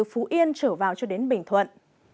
phú yên trở vào cho đến bình thuận